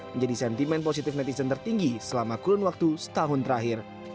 menjadi sentimen positif netizen tertinggi selama kurun waktu setahun terakhir